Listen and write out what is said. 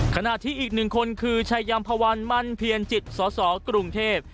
ขณะที่อีกหนึ่งคนคือชายัมพวันมันเพียรจิตสสกรุงเทพ